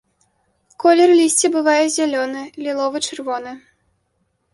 Колер лісця бывае зялёны, ліловы-чырвоны.